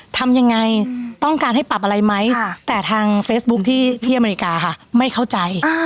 ทำยังไงต้องการให้ปรับอะไรไหมแต่ทางเฟซบุ๊คที่อเมริกาค่ะไม่เข้าใจ